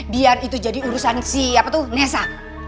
biar itu jadi urusan siapa tuh nessa